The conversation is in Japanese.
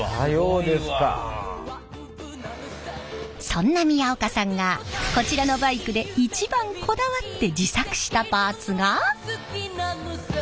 そんな宮岡さんがこちらのバイクで一番こだわって自作したパーツが。